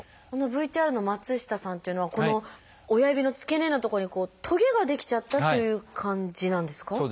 あのＶＴＲの松下さんっていうのはこの親指の付け根の所に棘が出来ちゃったという感じなんですか？